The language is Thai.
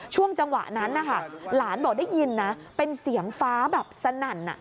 ช่วงจังหวะนั้นนะคะหลานบอกได้ยินนะเป็นเสียงฟ้าแบบสนั่น